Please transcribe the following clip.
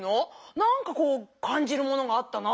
何かこうかんじるものがあったな。